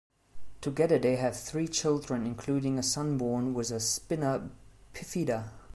Together they have three children, including a son born with spina bifida.